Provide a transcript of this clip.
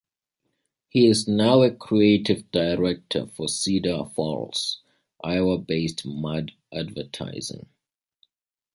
He is now a creative director for Cedar Falls, Iowa-based Mudd Advertising.